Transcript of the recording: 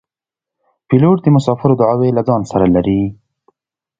پیلوټ د مسافرو دعاوې له ځان سره لري.